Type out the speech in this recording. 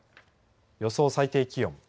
予想最低気温。